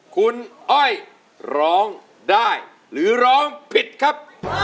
คุณอ้อยร้องได้หรือร้องผิดครับ